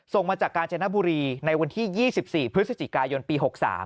ส่งมาจากกาญจนบุรีในวันที่๒๔พฤศจิกายนปี๖๓